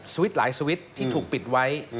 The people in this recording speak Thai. สวิทธิ์หลายสวิทธิ์ที่ถูกปิดไว้